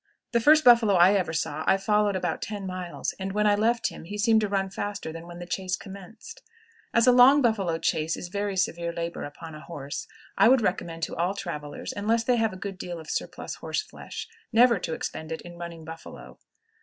The first buffalo I ever saw I followed about ten miles, and when I left him he seemed to run faster than when the chase commenced. As a long buffalo chase is very severe labor upon a horse, I would recommend to all travelers, unless they have a good deal of surplus horse flesh, never to expend it in running buffalo.